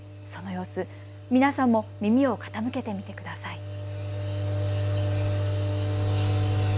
その様子、皆さんも耳を傾けてみてください。